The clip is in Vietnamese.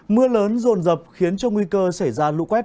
mưa lớn dồn dập khiến cho nguy cơ xảy ra lũ quét